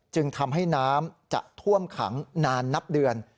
จึงทำให้น้ำจะท่วมขังนานนับเดือน